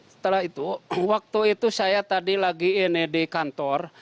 setelah itu waktu itu saya tadi lagi ini di kantor